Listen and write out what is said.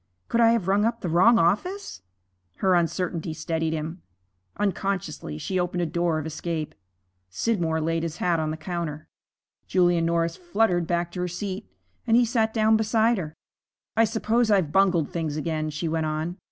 Could I have rung up the wrong office?' Her uncertainty steadied him. Unconsciously she opened a door of escape. Scidmore laid his hat on the counter. Julia Norris fluttered back to her seat and he sat down beside her. 'I suppose I've bungled things again,' she went on.